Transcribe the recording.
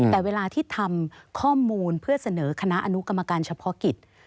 แต่เวลาที่ทำข้อมูลเพื่อเสนอคณะอนุกรรมการเฉพาะกิจ